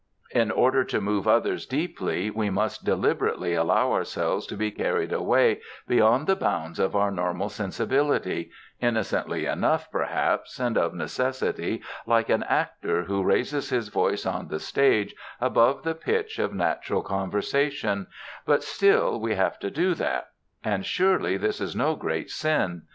In order to move others deeply we must deliberately allow ourselves to be carried away beyond the bounds of our normal sensibility innocently enough, perhaps, and of necessity, like an actor who raises his voice on the stage above the pitch of natural conversation but still we have to do that. And surely this is no great sin.